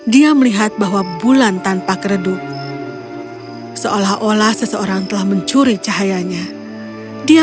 dia melihat bahwa bulan tanpa kereduk seolah olah seseorang telah mencuri cahayanya dia